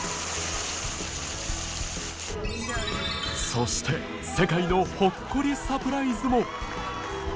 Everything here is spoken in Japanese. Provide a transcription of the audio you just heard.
そして世界のほっこりサプライズも